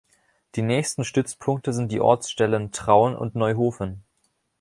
Die nächsten Stützpunkte sind die Ortsstellen Traun und Neuhofen.